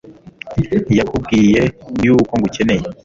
yakubwiye yuko ngukeneye